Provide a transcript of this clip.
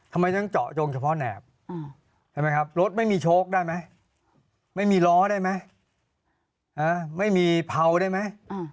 ทำไมต้องเจาะจงเฉพาะแหนบใช่ไหมครับรถไม่มีโชคได้ไหมไม่มีล้อได้ไหมไม่มีเผาได้ไหม